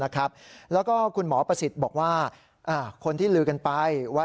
แล้วก็คุณหมอประสิทธิ์บอกว่าคนที่ลือกันไปว่า